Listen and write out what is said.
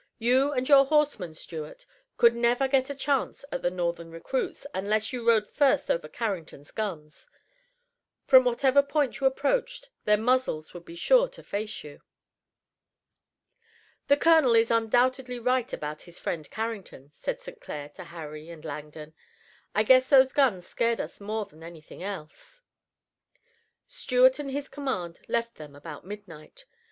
"You and your horsemen, Stuart, could never get a chance at the Northern recruits, unless you rode first over Carrington's guns. From whatever point you approached their muzzles would be sure to face you." "The colonel is undoubtedly right about his friend Carrington," said St. Clair to Harry and Langdon. "I guess those guns scared us more than anything else." Stuart and his command left them about midnight.